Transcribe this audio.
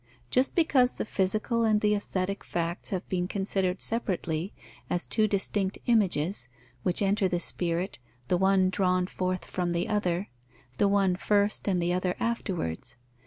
Just because the physical and the aesthetic facts have been considered separately, as two distinct images, which enter the spirit, the one drawn forth from the other, the one first and the other afterwards.